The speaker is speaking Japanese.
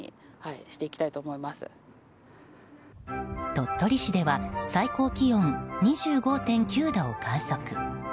鳥取市では最高気温２５．９度を観測。